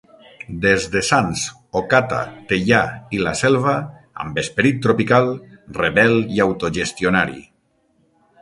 Des de Sants, Ocata, Teià i La Selva, amb esperit tropical, rebel i autogestionari.